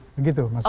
begitu maksud saya